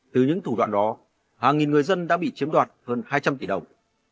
từ những thủ đoạn đó hàng nghìn người dân đã bị chiếm đoạt hơn hai trăm linh tỷ đồng